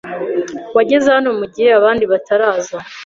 Wageze hano mugihe abandi bataraza.